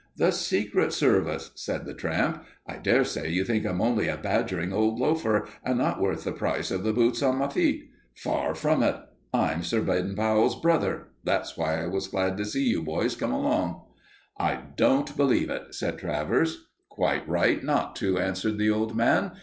"The Secret Service," said the tramp. "I dare say you think I'm only a badgering old loafer, and not worth the price of the boots on my feet. Far from it. I'm Sir Baden Powell's brother! That's why I was glad to see you boys come along." "I don't believe it," said Travers. "Quite right not to," answered the old man.